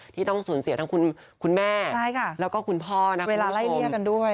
ที่ต้องสูญเสียทั้งคุณแม่และคุณพ่อนะคุณผู้ชมใช่ค่ะเวลาไล่เงียกกันด้วย